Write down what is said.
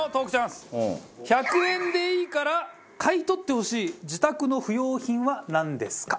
１００円でいいから買い取ってほしい自宅の不用品はなんですか？